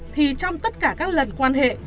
thì trong tất cả các lần quan hệ